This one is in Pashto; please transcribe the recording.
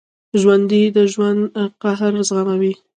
ژوندي د ژوند قهر زغمي